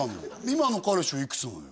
今の彼氏はいくつなの？